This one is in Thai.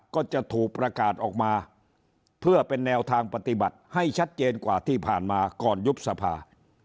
ก็จะถูกประกาศออกมาเพื่อเป็นแนวทางปฏิบัติให้ชัดเจนกว่าที่ผ่านมาก่อนยุบสภา